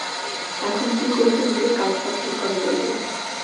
এখন কী করিতে হইবে, কাল সব ঠিক করা যাইবে।